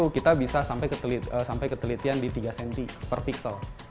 kita bisa sampai ketelitian di tiga cm per pixel